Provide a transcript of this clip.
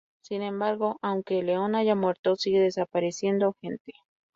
Sin embargo, aunque el león haya muerto, sigue desapareciendo gente…